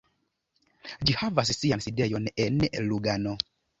Ĝi havas sian sidejon en Lugano.